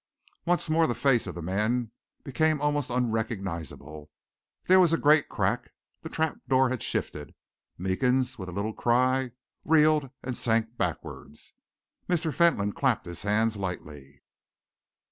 Once more the face of the man became almost unrecognisable. There was a great crack, the trap door had shifted. Meekins, with a little cry, reeled and sank backwards. Mr. Fentolin clapped his hands lightly.